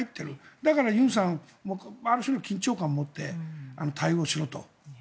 だから尹さんはある種の緊張感を持って対応しろと。